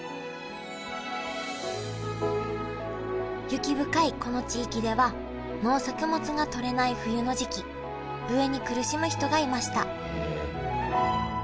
雪深いこの地域では農作物がとれない冬の時期飢えに苦しむ人がいましたえ。